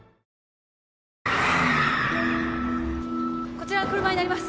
こちらの車になります